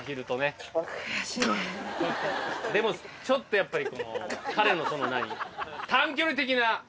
でもちょっとやっぱり。